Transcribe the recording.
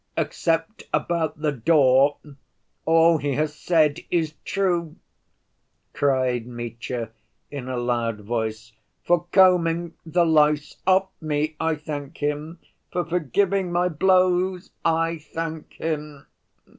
"Except about the door, all he has said is true," cried Mitya, in a loud voice. "For combing the lice off me, I thank him; for forgiving my blows, I thank him.